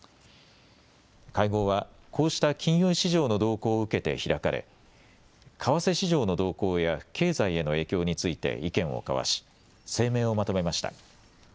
会合はこうした金融市場の動向を受けて開かれ為替市場の動向や経済への影響について意見を交わし声明をまとめました。